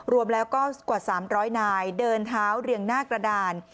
รวมแล้วก็กว่า๓๐๐นายเดินเท้าเรียงหน้ากระดาน